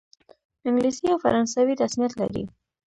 انګلیسي او فرانسوي رسمیت لري.